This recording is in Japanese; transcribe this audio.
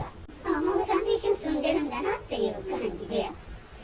お孫さんと一緒に住んでるんだなという感じで。